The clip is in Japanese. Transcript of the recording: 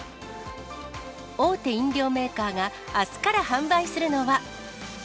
大手飲料メーカーがあすから販売するのは。